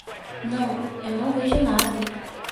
Não, eu não vejo nada.